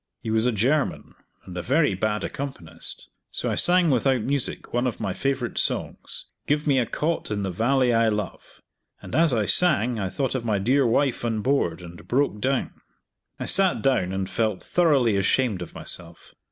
He was a German, and a very bad accompanist; so I sang without music one of my favorite songs, "Give me a Cot in the Valley I Love," and as I sang I thought of my dear wife on board, and broke down. I sat down and felt thoroughly ashamed of myself.